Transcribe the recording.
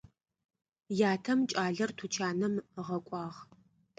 Ятэм кӏалэр тучанэм ыгъэкӏуагъ.